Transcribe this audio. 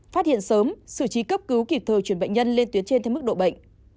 phát hiện sớm xử trí cấp cứu kịp thời chuyển bệnh nhân lên tuyến trên theo mức độ bệnh